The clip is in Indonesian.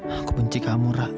aku benci kamu rah